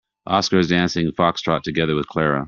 Oscar is dancing foxtrot together with Clara.